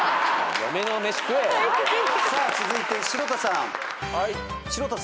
さあ続いて城田さん。